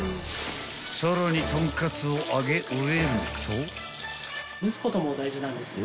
［さらにとんかつを揚げ終えると］